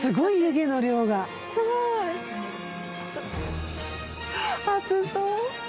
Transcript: すごーい熱そう